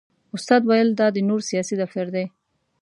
استاد ویل دا د نور سیاسي دفتر دی.